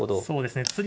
そうですね